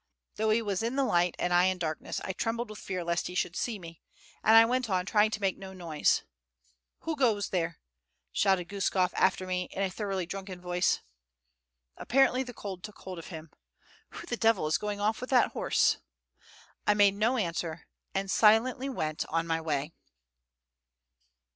Though he was in the light, and I in darkness; I trembled with fear lest he should see me, and I went on, trying to make no noise. "Who goes there?" shouted Guskof after me in a thoroughly drunken voice. Apparently, the cold took hold of him. "Who the devil is going off with that horse?" I made no answer, and silently went on my way.